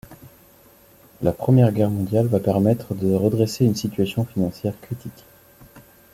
La Première Guerre mondiale va permettre de redresser une situation financière critique.